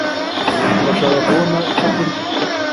Urashaka kubona icyo kurya?